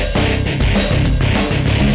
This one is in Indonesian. ke base camp